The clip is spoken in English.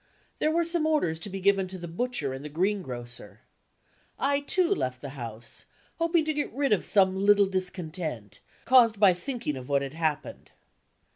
There were some orders to be given to the butcher and the green grocer. I, too, left the house, hoping to get rid of some little discontent, caused by thinking of what had happened.